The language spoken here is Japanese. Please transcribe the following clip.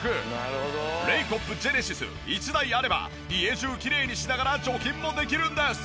レイコップジェネシス１台あれば家中きれいにしながら除菌もできるんです。